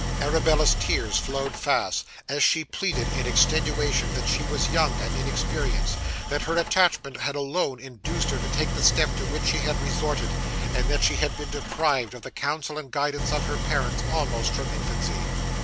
Arabella's tears flowed fast, as she pleaded in extenuation that she was young and inexperienced; that her attachment had alone induced her to take the step to which she had resorted; and that she had been deprived of the counsel and guidance of her parents almost from infancy.